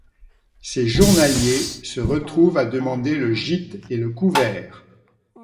Ces journaliers se retrouvent à demander le gîte et le couvert.